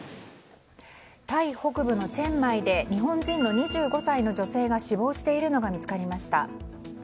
タイ北部のチェンマイで日本人の２５歳の女性が死亡しているのが見つかりました。